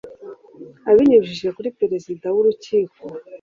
abinyujije kuri perezida w urukiko